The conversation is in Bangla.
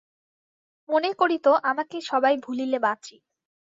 মনে করিত, আমাকে সবাই ভুলিলে বাঁচি।